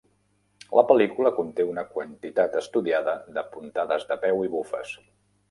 La pel·lícula conté una quantitat estudiada de puntades de peu i bufes.